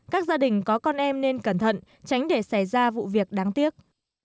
các gia đình có con em nên cẩn thận tránh để xảy ra vụ việc đáng tiếc